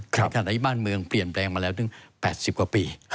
ในฐานะบ้านเมืองเปลี่ยนแปลงมาแล้วถึง๘๐กว่าปี